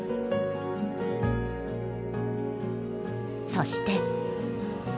そして。